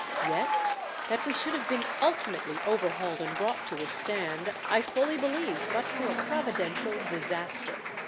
Yet, that we should have been ultimately overhauled and brought to a stand I fully believe but for a providential disaster.